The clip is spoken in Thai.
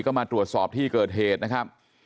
ก็มาตรวจสอบที่เกิดเหตุนะครับ